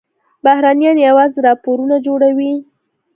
بهرنیان یوازې راپورونه جوړوي.